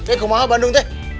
eh kemana bandung teh